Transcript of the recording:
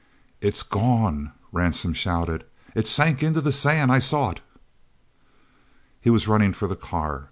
"It's gone!" Rawson shouted. "It sank into the sand! I saw it...." He was running for the car.